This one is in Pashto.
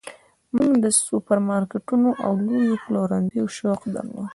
موږ د سوپرمارکیټونو او لویو پلورنځیو شوق درلود